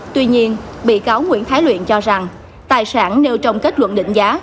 tuy nhiên bị cáo nguyễn thái luyện cho rằng tài sản nêu trong kết luận định giá